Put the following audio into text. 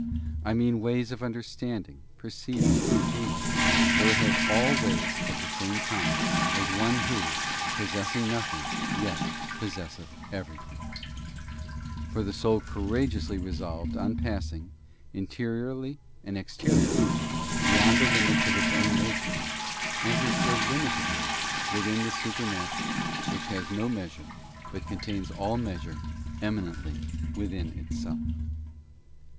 I mean ways of understanding, perceiving, or feeling, though it has all ways at the same time, as one who, possessing nothing, yet possesseth everything. For the soul cou rageously resolved on passing, interiorly and exteriorly, * \Is, lxiy. 4, fT 1 Cor. ii. 9. CHAP. 64 THE ASCENT OF MOUNT CARMEL. BOOK beyond the limits of its own nature, enters illimitably within the supernatural, which has no measure, but contains. all measure eminently within itself.